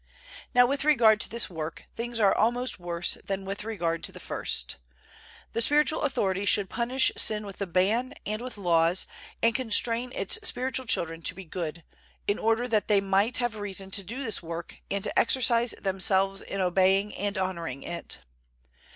Now with regard to this work, things are almost worse than with regard to the first. The spiritual authority should punish sin with the ban and with laws, and constrain its spiritual children to be good, in order that they might have reason to do this work and to exercise themselves in obeying and honoring it.